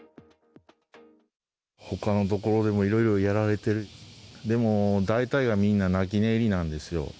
ほかの所でもいろいろやられてる、でも大体がみんな泣き寝入りなんですよ。